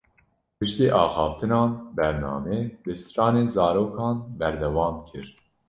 Piştî axaftinan, bername bi stranên zarokan berdewam kir